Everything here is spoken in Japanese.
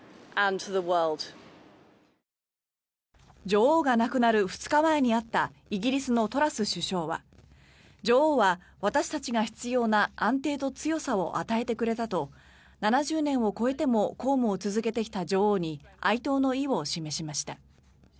女王が亡くなる２日前に会ったイギリスのトラス首相は女王は私たちが必要な安定と強さを与えてくれたと７０年を超えても公務を続けてきた女王に哀悼の意を示しました。